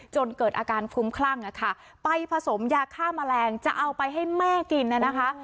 จนเกิดอาการคุ้มคลั่งไปผสมยาฆ่าแมลงจะเอาไปให้แม่กินน่ะนะคะ